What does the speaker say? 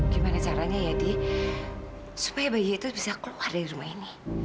gimana caranya ya dia supaya bayi itu bisa keluar dari rumah ini